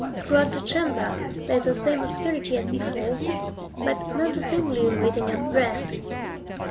Throughout the chamber, there is the same obscurity as before, but not the same gloom within your breast.